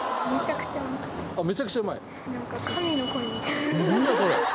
めちゃくちゃうまい？